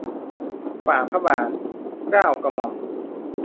ฝ่าพระบาท เกล้ากระหม่อม